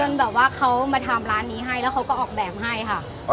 แบบว่าเขามาทำร้านนี้ให้แล้วเขาก็ออกแบบให้ค่ะ